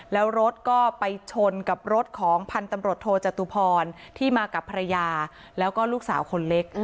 แล้วรถก็ไปชนกับรถของพันธุ์ตำรวจโทจตุพรที่มากับภรรยาแล้วก็ลูกสาวคนเล็ก